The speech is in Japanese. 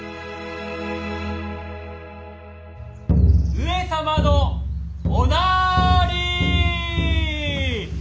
・上様のおなーりー。